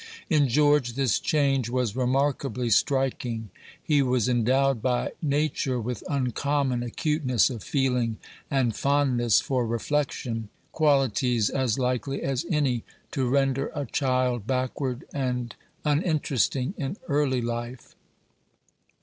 In George this change was remarkably striking. He was endowed by nature with uncommon acuteness of feeling and fondness for reflection qualities as likely as any to render a child backward and uninteresting in early life.